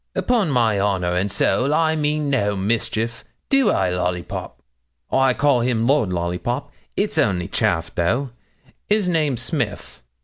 Upon my honour and soul, I mean no mischief; do I, Lollipop? I call him Lord Lollipop; it's only chaff, though; his name's Smith.